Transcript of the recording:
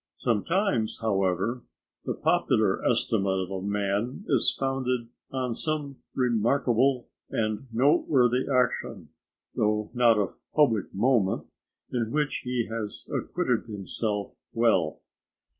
Sometimes, however, the popular estimate of a man is founded on some remarkable and noteworthy action, though not of public moment, in which he has acquitted himself well.